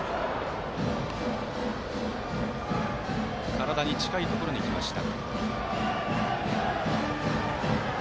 体に近いところにいきました。